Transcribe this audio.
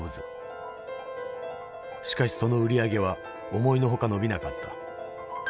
しかしその売り上げは思いの外伸びなかった。